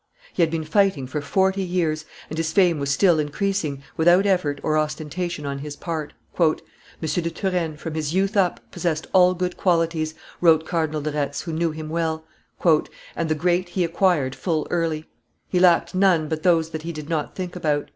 He had been fighting for forty years, and his fame was still increasing, without effort or ostentation on his part. "M. de Turenne, from his youth up, possessed all good qualities," wrote Cardinal de Retz, who knew him well, "and the great he acquired full early. He lacked none but those that he did not think about.